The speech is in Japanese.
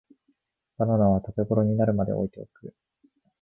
バナナは食べごろになるまで置いておく